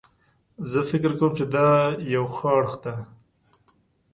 زه فکر کوم چې دا یو ښه اړخ ده